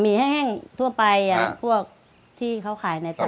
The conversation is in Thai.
หมี่แห้งทั่วไปพวกที่เค้าขายในชะมัด